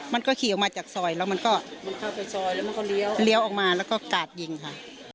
มันก็ขี่ออกมาจากซอยแล้วมันก็เรียวออกมาแล้วก็กาดยิงค่ะ